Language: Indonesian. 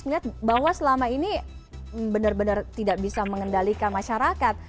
melihat bahwa selama ini benar benar tidak bisa mengendalikan masyarakat